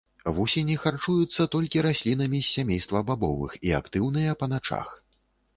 Вусені харчуюцца толькі раслінамі з сямейства бабовых і актыўныя па начах.